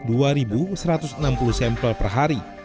yang memiliki jumlahnya dua puluh lima satu ratus enam puluh sampel per hari